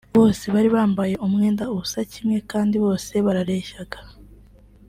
bose bari bambaye umwenda usa kimwe kandi bose barareshyaga